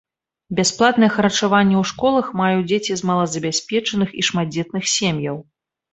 Бясплатнае харчаванне ў школах маюць дзеці з малазабяспечаных і шматдзетных сем'яў.